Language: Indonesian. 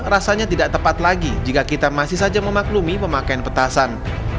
rasanya tidak tepat lagi jika kita masih saja memaklumi pemakaian petasan